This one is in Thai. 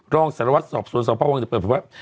รองศาลวัฒน์สอบส่วนสอบภาว์วังเนี่ยเปิดภาพ